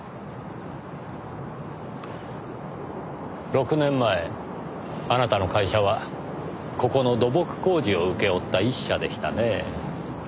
６年前あなたの会社はここの土木工事を請け負った一社でしたねぇ。